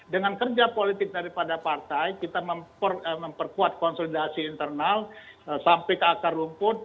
dengan kerja politik daripada partai kita memperkuat konsolidasi internal sampai ke akar rumput